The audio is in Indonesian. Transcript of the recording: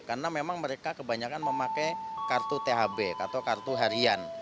karena mereka kebanyakan memakai kartu thb atau kartu harian